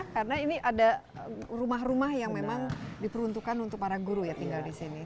karena ini ada rumah rumah yang memang diperuntukkan untuk para guru ya tinggal di sini